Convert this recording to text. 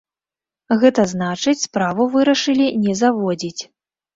Гэта значыць, справу вырашылі не заводзіць.